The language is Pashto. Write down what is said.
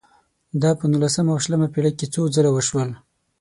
دا په نولسمه او شلمه پېړۍ کې څو ځله وشول.